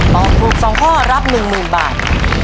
ตอบถูก๒ข้อรับ๑๐๐๐บาท